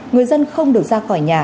người dân không được ra khỏi nhà